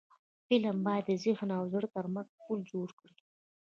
فلم باید د ذهن او زړه ترمنځ پل جوړ کړي